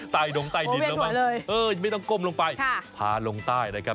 ดงใต้ดินแล้วมั้งไม่ต้องก้มลงไปพาลงใต้นะครับ